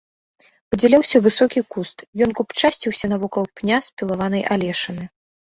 Выдзяляўся высокі куст, ён купчасціўся навокал пня спілаванай алешыны.